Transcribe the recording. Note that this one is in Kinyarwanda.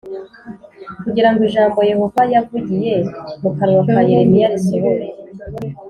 kugira ngo ijambo Yehova yavugiye mu kanwa ka Yeremiya risohore